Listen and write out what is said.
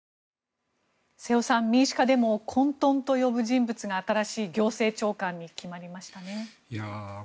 瀬尾さん、民主化デモを混とんと呼ぶ人物が新しい行政長官に決まりましたね。